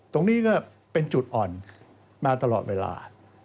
ตรงนี้ก็เป็นจุดอ่อนมาตลอดเวลา